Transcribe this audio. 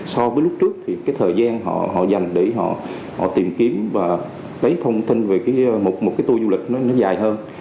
so với lúc trước thì cái thời gian họ dành để họ tìm kiếm và lấy thông tin về một cái tour du lịch nó dài hơn